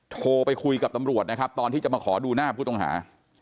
โทรไปคุยกับตำรวจนะครับตอนที่จะมาขอดูหน้าผู้ต้องหา